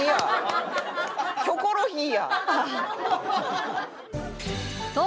『キョコロヒー』や！